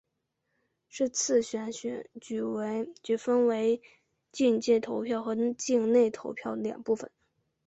是次选举分为境外投票和境内投票两部分。